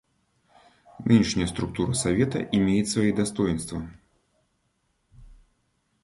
Нынешняя структура Совета имеет свои достоинства.